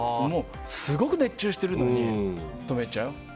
すごく熱中してるのに止めちゃう。